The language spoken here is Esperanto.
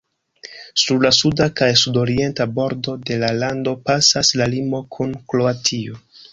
Sur la suda kaj sudorienta bordo de la lando pasas la limo kun Kroatio.